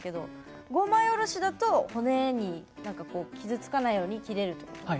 ５枚おろしだと骨に傷つかないように切れる？